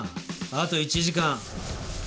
あと１時間。